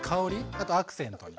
あとアクセントに。